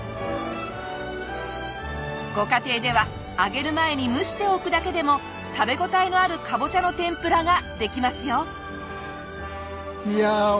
ご家庭では揚げる前に蒸しておくだけでも食べ応えのあるカボチャの天ぷらができますよ！